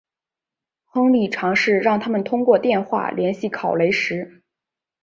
亨利尝试让他们通过电话联系考雷什。